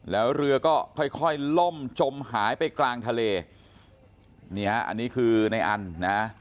แล้วเรือก็ค่อยค่อยล่มจมหายไปกลางทะเลนี่ฮะอันนี้คือในอันนะ